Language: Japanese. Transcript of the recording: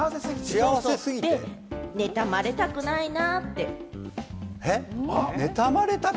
妬まれたくないなって。